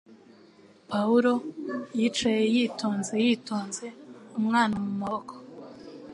Pawulo yicaye yitonze yitonze umwana mu maboko